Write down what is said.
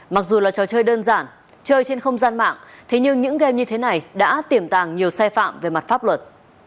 mặc dù là trò chơi đơn giản chơi trên không gian mạng thế nhưng những gam như thế này đã tiềm tàng nhiều xe phạm về mặt pháp luật